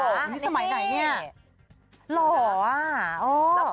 อันนี้สมัยไหนเนี่ย